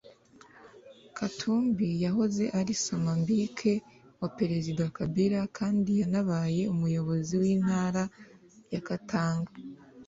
Katumbi yahoze ari soma mbike wa perezida Kabila kandi yanabaye umuyobozi w’intara ya Katanga